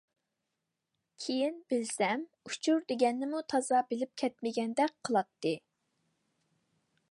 كېيىن بىلسەم ئۇچۇر دېگەننىمۇ تازا بىلىپ كەتمىگەندەك قىلاتتى.